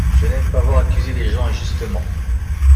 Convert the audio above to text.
Je n’aime pas voir accuser les gens injustement.